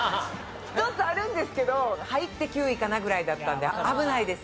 １つあるんですけど入って９位かなぐらいだったんで危ないです。